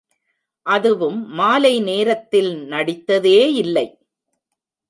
அதுவும் மாலை நேரத்தில் நடித்ததேயில்லை.